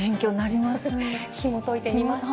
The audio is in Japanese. ひもといてみました。